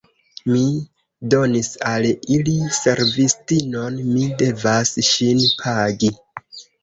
Mi donis al ili servistinon, mi devas ŝin pagi.